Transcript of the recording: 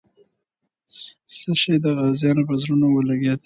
څه شی د غازیانو په زړونو ولګېد؟